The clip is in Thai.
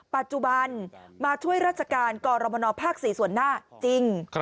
ปัจจุบันมาช่วยราชการกรมนภ๔ส่วนหน้าจริง